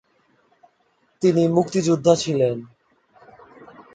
তিনি মুক্তিযুদ্ধা ছিলেন।